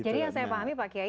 jadi yang saya pahami pak kiai